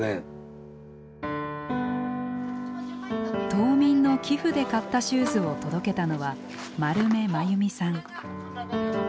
島民の寄付で買ったシューズを届けたのは丸目真由美さん。